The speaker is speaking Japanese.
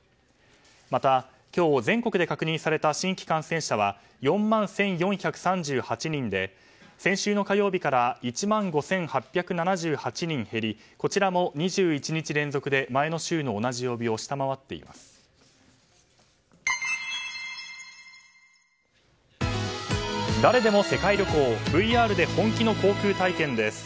また、今日全国で確認された新規感染者は４万１４３８人で先週の火曜日から１万５８７８人減りこちらも２１日連続で前の週の同じ曜日を「アロマリッチ」しよ